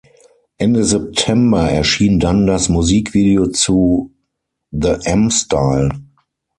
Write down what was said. Ende September erschien dann das Musikvideo zu "The 'M' Style".